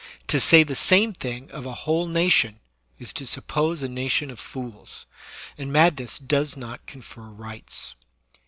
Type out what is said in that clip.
To say the same thing of a whole nation is to suppose a nation of fools; and madness does not confer rights.